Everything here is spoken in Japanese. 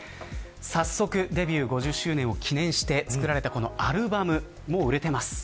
早速デビュー５０周年を記念して作られたこのアルバムもう売れています。